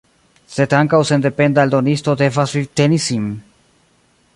Sed ankaŭ sendependa eldonisto devas vivteni sin.